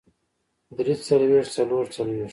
درې څلوېښت څلور څلوېښت